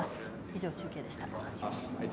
以上中継でした。